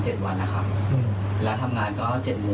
เสพเมทุนก็มัยยังไงอยู่